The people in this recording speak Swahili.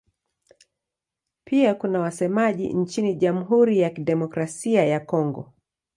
Pia kuna wasemaji nchini Jamhuri ya Kidemokrasia ya Kongo.